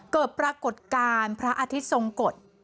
เกิดปรากฏการณ์พระอาทิตย์ทรงกฎ